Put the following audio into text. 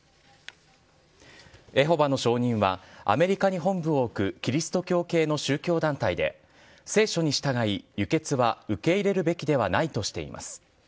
エホバの証人は、アメリカに本部を置くキリスト教系の宗教団体で、聖書に従い輸血は受け入れるべきではないとしています。